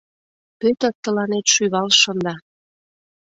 Пӧтыр тыланет шӱвал шында!..